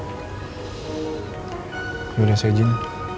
kemudian saya izin